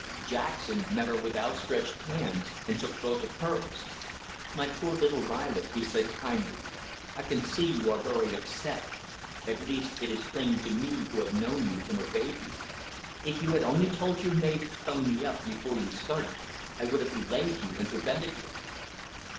Jackson met her with outstretched hands, and took both of hers. "My poor little Violet," he said kindly. "I can see you are very upset; at least, it is plain to me who have known you from a baby. If you had only told your maid to 'phone me up before you started, I would have delayed you, and prevented this."